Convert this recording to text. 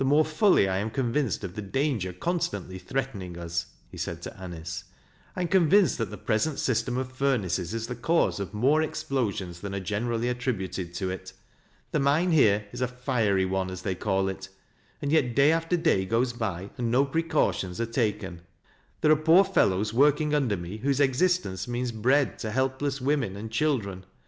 ore fully I am convinced of the danger constant.y threatening as," he said to Anice. " I am convinced that the prese:u system of furnaces is the cause of more explosions than are generally attributed to it. The mine here is a 'fiery' one, as they call it, and yet day after day goes by and no precautions are taken. There are poor fellows working under me whose existence means bread to helpless women and children.